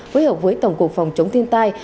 với hợp với tổng cục phòng chống thiên tai